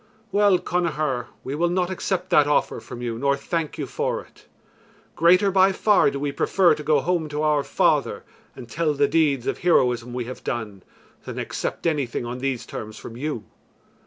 "Well, Connachar, we will not accept that offer from you nor thank you for it. Greater by far do we prefer to go home to our father and tell the deeds of heroism we have done, than accept anything on these terms from you.